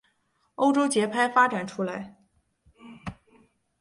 欧洲节拍发展出来。